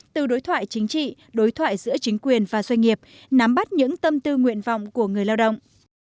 từ đối thoại chính trị đối thoại giữa chính quyền và doanh nghiệp nắm bắt những tâm tư nguyện vọng của người lao động